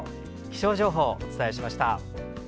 気象情報お伝えしました。